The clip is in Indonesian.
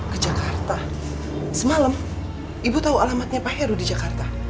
ke jakarta semalam ibu tahu alamatnya pak heru di jakarta